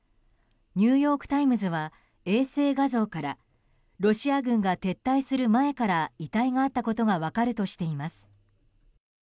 ニューヨーク・タイムズは衛星画像からロシア軍が撤退する前から遺体があったことが分かるとしています。